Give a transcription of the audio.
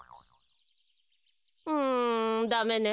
うんダメね。